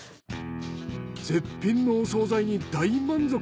絶品のお惣菜に大満足。